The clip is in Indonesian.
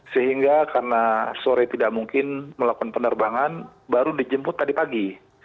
sehingga karena sore tidak mungkin melakukan penerbangan baru dijemput tadi pagi